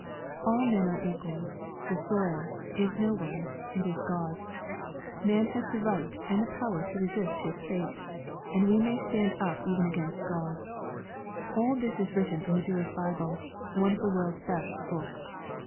All men are equal; the soil is no one's, it is God's; man has the right and the power to resist his fate, and we may stand up even against God, all this is written in the Jewish Bible, one of the world's best books.